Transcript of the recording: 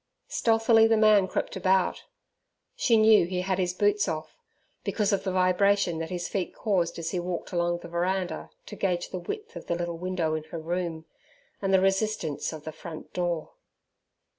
Stealthily the man crept about. She knew he had his boots off, because of the vibration that his feet caused as he walked along the veranda to gauge the width of the little window in her room, and the resistance of the front door.